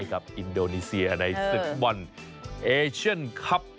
ใดกับอินโดนีเซียในศึกบอลเอเชียนคับ